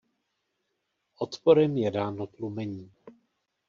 Odporem je dáno tlumení.